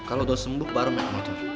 kalo udah sembuh baru naik motor